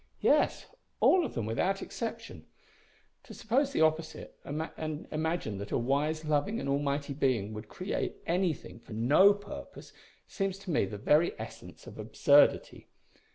"Yes all of them, without exception. To suppose the opposite, and imagine that a wise, loving, and almighty Being would create anything for no purpose seems to me the very essence of absurdity.